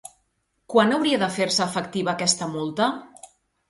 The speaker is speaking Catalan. Quan hauria de fer-se efectiva aquesta multa?